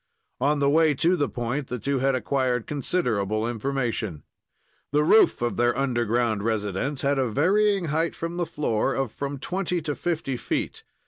On the way to the point the two had acquired considerable information. The roof of their underground residence had a varying height from the floor of from twenty to fifty feet.